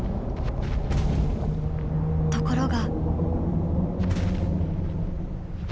ところが。